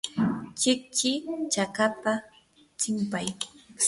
kichki chakapa tsinpay.